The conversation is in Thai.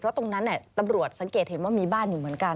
เพราะตรงนั้นตำรวจสังเกตเห็นว่ามีบ้านอยู่เหมือนกัน